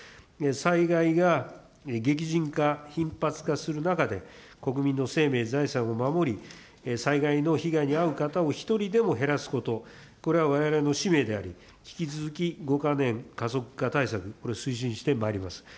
災害が激甚化、頻発化する中で、国民の生命、財産を守り、災害の被害に遭う方を一人でも減らすこと、これはわれわれの使命であり、引き続き、５か年加速化対策、これ、推進してまいります。